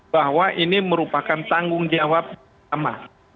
bahwa ini merupakan tanggung jawab bersama